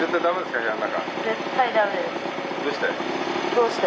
どうして？